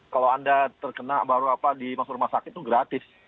kalau anda terkena baru apa dimasuk rumah sakit itu gratis